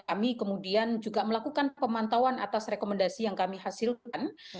kami kemudian juga melakukan pemantauan atas rekomendasi yang kami hasilkan